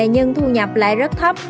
nhưng thu nhập lại rất thấp